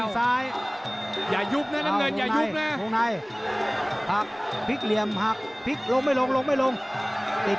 วางขวามาอีกแล้ว